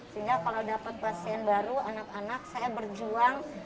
sehingga kalau dapat pasien baru anak anak saya berjuang